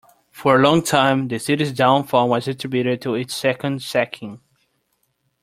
For a long time, the city's downfall was attributed to its second sacking.